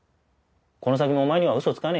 この先もお前には嘘つかねえよ。